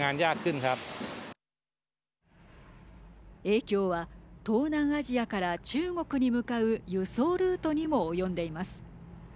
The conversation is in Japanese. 影響は東南アジアから中国に向かう輸送ルートにも及んでいます。